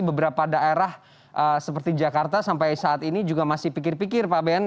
beberapa daerah seperti jakarta sampai saat ini juga masih pikir pikir pak ben